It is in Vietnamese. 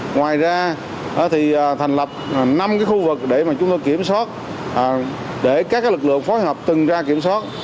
ngoài ra thì thành lập năm khu vực để mà chúng tôi kiểm soát để các lực lượng phối hợp từng ra kiểm soát